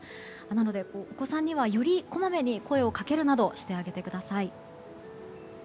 なので、お子さんにはよりこまめに声をかけるなどしてあげてください。